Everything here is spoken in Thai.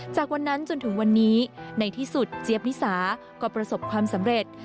จากวันนั้นจนถึงวันนี้ในที่สุดเจี๊ยบนิสาก็ประสบความสำเร็จ